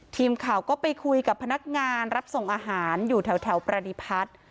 ทีมข่าวก็ไปคุยกับพนักงานรับส่งอาหารอยู่แถวประดิพัฒน์